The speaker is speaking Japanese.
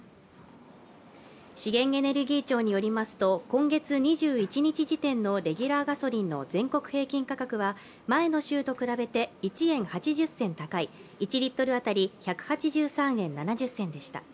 資源エネルギー庁によりますと、今月２１日時点のレギュラーガソリンの全国平均価格は前の週と比べて１円８０銭高い、１リットル当たり１８３円７０銭でした。